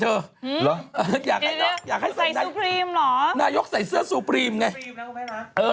จากธนาคารกรุงเทพฯ